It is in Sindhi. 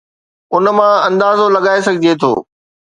ان مان اندازو لڳائي سگهجي ٿو.